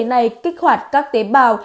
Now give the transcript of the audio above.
này kích hoạt các tế bào